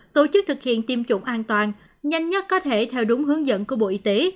tổ chức thực hiện tiêm chủng an toàn nhanh nhất có thể theo đúng hướng dẫn của bộ y tế